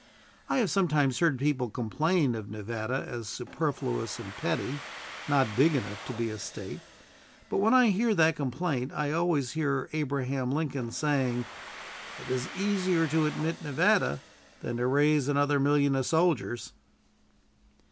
I have sometimes heard people complain of Nevada as superfluous and petty, not big enough to be a State; but when I hear that complaint, I always hear Abraham Lincoln saying, "It is easier to admit Nevada than to raise another million of soldiers."